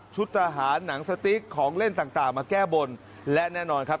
ทหารหนังสติ๊กของเล่นต่างมาแก้บนและแน่นอนครับ